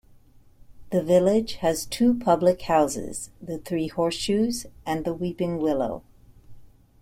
The village has two Public Houses - The Three Horseshoes, and The Weeping Willow.